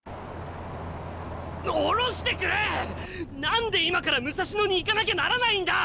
何で今から武蔵野に行かなきゃならないんだ！